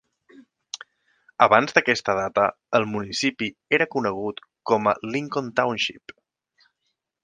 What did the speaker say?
Abans d'aquesta data, el municipi era conegut com a Lincoln Township.